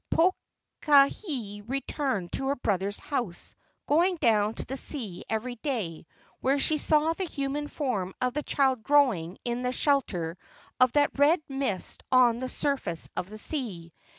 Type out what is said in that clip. Pokahi returned to her brother's house, going down to the sea every day, where she saw the human form of the child growing in the shelter of that red mist on the surface of the sea.